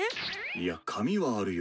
いや髪はあるよ。